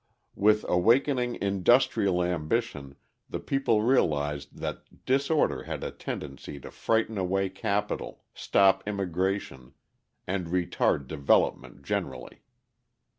With awakening industrial ambition the people realised that disorder had a tendency to frighten away capital, stop immigration, and retard development generally.